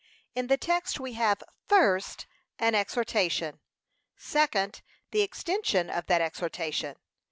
In the text we have, FIRST, An exhortation. SECOND, The extension of that exhortation.